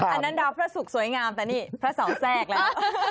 อันนั้นดาวพระศุกร์สวยงามแต่นี่พระเสาแทรกแล้ว